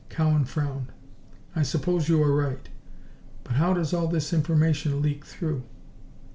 Cowan frowned. "I suppose you are right. But how does all this information leak through?"